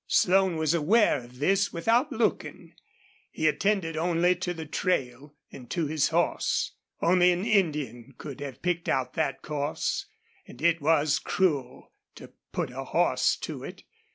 Slone was aware of this without looking. He attended only to the trail and to his horse. Only an Indian could have picked out that course, and it was cruel to put a horse to it.